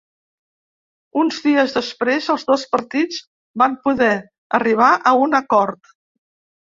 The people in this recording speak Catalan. Uns dies després els dos partits van poder arribar a un acord.